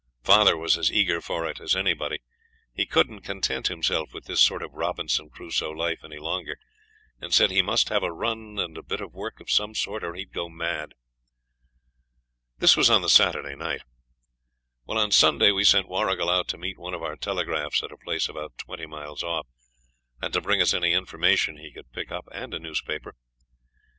Father was as eager for it as anybody. He couldn't content himself with this sort of Robinson Crusoe life any longer, and said he must have a run and a bit of work of some sort or he'd go mad. This was on the Saturday night. Well, on Sunday we sent Warrigal out to meet one of our telegraphs at a place about twenty miles off, and to bring us any information he could pick up and a newspaper.